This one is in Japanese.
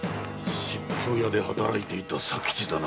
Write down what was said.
しっぷう屋で働いていた佐吉だな。